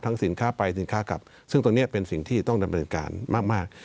สินค้าไปสินค้ากลับซึ่งตรงนี้เป็นสิ่งที่ต้องดำเนินการมาก